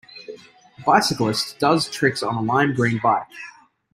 A bicyclist does tricks on a lime green bike.